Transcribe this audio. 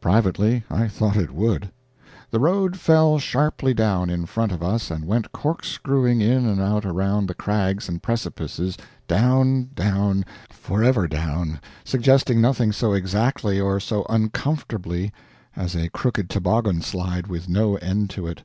Privately, I thought it would. The road fell sharply down in front of us and went corkscrewing in and out around the crags and precipices, down, down, forever down, suggesting nothing so exactly or so uncomfortably as a crooked toboggan slide with no end to it.